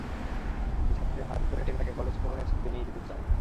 তিনি ছাত্রীর হাত ধরে টেনে তাকে কলেজ ভবনের ছাদে নিয়ে যেতে চান।